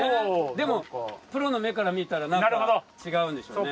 でもプロの目から見たら何か違うんでしょうね。